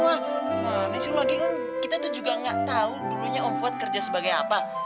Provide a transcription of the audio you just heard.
gimana sih lo lagi ngeng kita tuh juga nggak tahu dulunya om fuad kerja sebagai apa